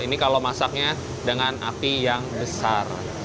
ini kalau masaknya dengan api yang besar